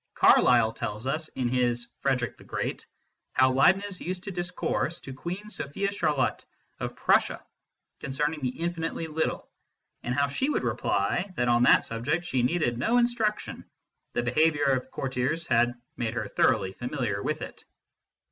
Carlyle tells, in his Frederick the Great, how Leibniz used to discourse to Queen Sophia Charlotte of Prussia con cerning the infinitely little, and how she would reply that on that subject she needed no instruction the behaviour of courtiers had made her thoroughly familiar with it.